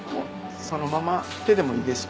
そのまま手でもいいですし。